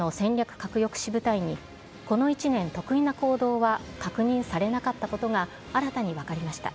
核抑止部隊に、この１年、特異な行動は確認されなかったことが、新たに分かりました。